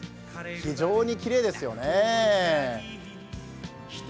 非常にきれいですよね。